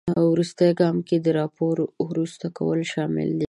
وروستي ګام کې د راپور وروستي کول شامل دي.